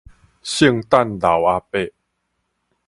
聖誕老阿伯